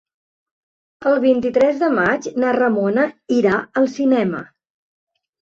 El vint-i-tres de maig na Ramona irà al cinema.